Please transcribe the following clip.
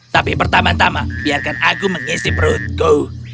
tapi pertama tama biarkan aku mengisi perutku